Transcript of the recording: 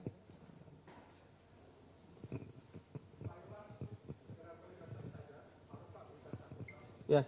apakah motif yang dibayar tadi